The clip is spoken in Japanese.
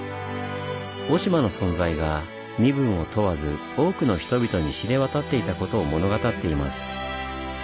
雄島の存在が身分を問わず多くの人々に知れ渡っていたことを物語っています。